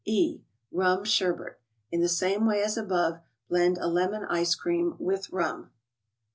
E. —RUM SHERBET. In the same way as above, blend a lemon ice cream with rum.